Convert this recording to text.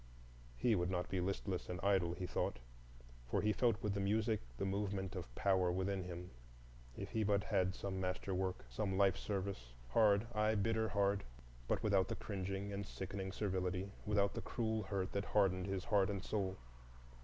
He would not like to be listless and idle, he thought, for he felt with the music the movement of power within him. If he but had some master work, some life service, hard,—aye, bitter hard, but without the cringing and sickening servility, without the cruel hurt that hardened his heart and soul.